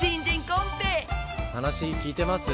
話聞いてます？